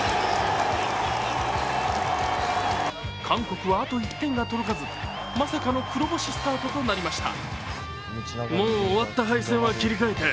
韓国はあと１点が届かず、まさかの黒星スタートとなりました。